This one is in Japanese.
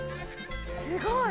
すごい！